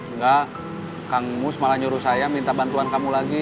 enggak kang mus malah nyuruh saya minta bantuan kamu lagi